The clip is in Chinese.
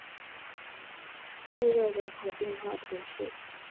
蒂勒人口变化图示